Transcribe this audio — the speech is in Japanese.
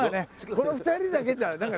この２人だけじゃ。